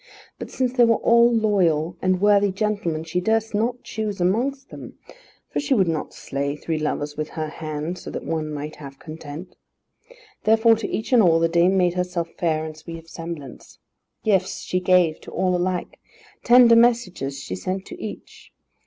But since they all were loyal and worthy gentlemen, she durst not choose amongst them; for she would not slay three lovers with her hand so that one might have content. Therefore to each and all, the dame made herself fair and sweet of semblance. Gifts she gave to all alike. Tender messages she sent to each.